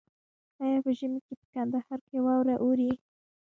آیا په ژمي کې په کندهار کې واوره اوري؟